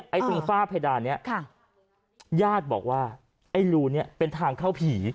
ตรงฝ้าเพดานนี้ญาติบอกว่าไอ้รูนี้เป็นทางเข้าผี